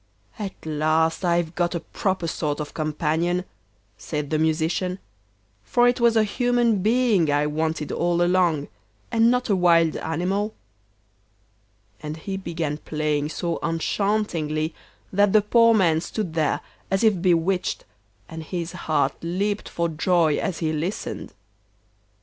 'At last I've got a proper sort of companion,' said the Musician, 'for it was a human being I wanted all along, and not a wild animal.' And he began playing so enchantingly that the poor man stood there as if bewitched, and his heart leapt for joy as he listened.